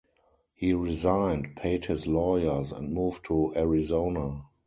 He resigned, paid his lawyers, and moved to Arizona.